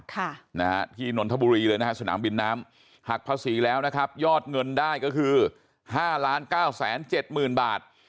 ที่นนทบุรีเลยนะฮะสนามบินน้ำหักภาษีแล้วนะครับยอดเงินได้ก็คือ๕๙๗๐๐๐๐บาท